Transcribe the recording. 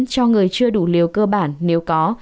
cho người chưa đủ liều cơ bản nếu có